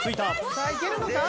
さあいけるのか？